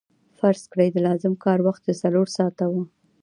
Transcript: فرض کړئ د لازم کار وخت چې څلور ساعته وو